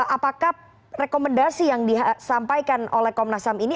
apakah rekomendasi yang disampaikan oleh komnas ham ini